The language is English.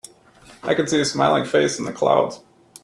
I can see a smiling face in the clouds.